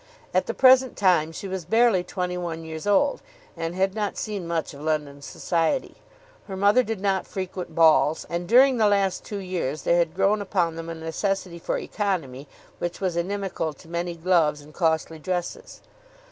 At the present time she was barely twenty one years old, and had not seen much of London society. Her mother did not frequent balls, and during the last two years there had grown upon them a necessity for economy which was inimical to many gloves and costly dresses.